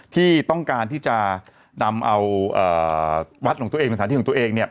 ที่ต้องการที่จะนำเอาวัดของตัวเองเป็นสถานที่ของตัวเองเนี่ย